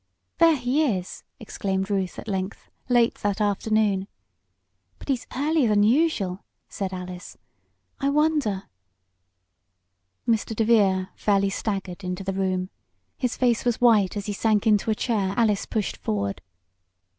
"There he is!" exclaimed Ruth at length, late that afternoon. "But he's earlier than usual!" said Alice. "I wonder " Mr. DeVere fairly staggered into the room. His face was white as he sank into a chair Alice pushed forward.